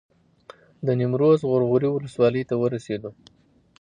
د نیمروز غور غوري ولسوالۍ ته ورسېدو.